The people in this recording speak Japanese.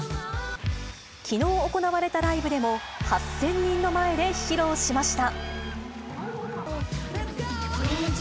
きのう行われたライブでも、８０００人の前で披露しました。